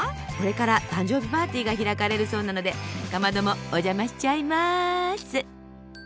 これから誕生日パーティーが開かれるそうなのでかまどもお邪魔しちゃいます。